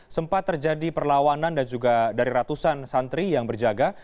sempat terjadi perlawanan dan juga dari ratusan santri yang berjaga